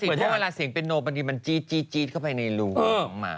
ไม่สิเพราะว่าเวลาเสียงเป็นโน้มบางทีมันจี๊ดเข้าไปในรูของหมา